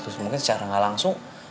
terus mungkin secara gak langsung